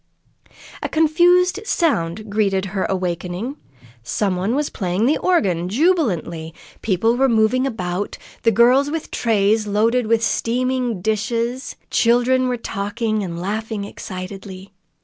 A confused sound greeted her awakening. Some one was playing the organ jubilantly; people were moving about girls with trays loaded with steaming dishes; children were talking and laughing excitedly.